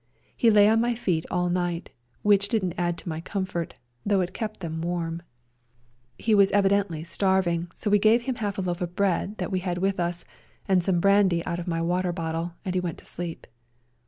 He lay on my feet all night, which didn't add to my com fort, though it kept them warm. He A SERBIAN AMBULANCE 35 was evidently starving, so we gave him half a loaf of bread that we had with us, and some brandy out of my water bottle, and he went to sleep.